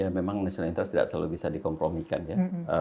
ya memang keuntungan nasional tidak selalu bisa dikompromikan ya